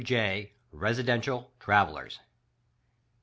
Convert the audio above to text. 2 J. Residential — Travelers.